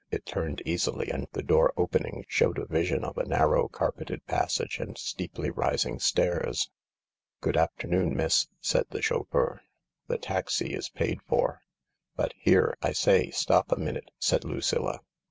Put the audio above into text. It turned easily, and the door opening showed a vision of a narrow carpeted passage and steeplymsing stairs. " Good afternoon, miss," said the chauffeur • "the taxi is paid for." " But here— I say, stop a minute I " said Ludlla.